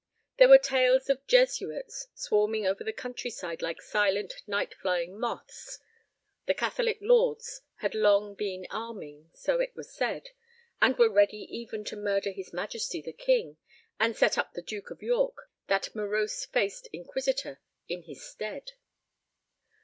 There were tales of Jesuits swarming over the country side like silent, night flying moths. The Catholic lords had long been arming, so it was said, and were ready even to murder his Majesty the King, and set up the Duke of York, that morose faced inquisitor, in his stead.